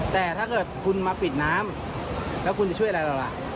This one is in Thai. แต่ถ้าเกิดคุณมาปิดน้ำแล้วคุณจะช่วยอะไรเราล่ะ